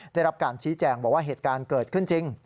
ได้รับการชี้แจงบอกว่าเหตุการณ์เกิดขึ้นจริง